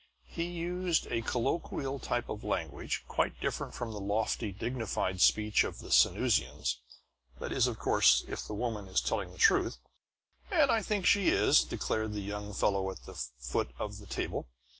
He used a colloquial type of language, quite different from the lofty, dignified speech of the Sanusians. "That is, of course, if the woman is telling the truth." "And I think she is," declared the young fellow at the foot of the table.